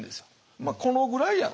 まあこのぐらいやろ。